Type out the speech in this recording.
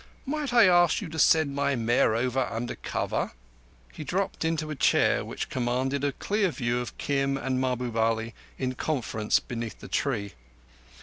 Might I ask you to send my mare round under cover?" He dropped into a chair which commanded a clear view of Kim and Mahbub Ali in conference beneath the tree.